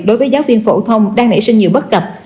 đối với giáo viên phổ thông đang nảy sinh nhiều bất cập